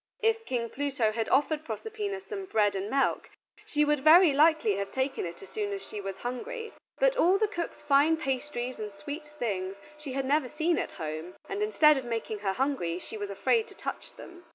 If King Pluto had offered Proserpina some bread and milk she would very likely have taken it as soon as she was hungry, but all the cook's fine pastries and sweets were things she had never seen at home, and, instead of making her hungry, she was afraid to touch them.